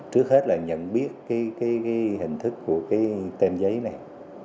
trước hết là nhận biết hình thức của tem giấy này